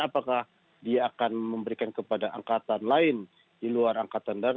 apakah dia akan memberikan kepada angkatan lain di luar angkatan darat